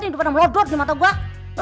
ini udah pada melodot nih mata gue